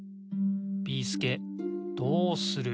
ビーすけどうする！？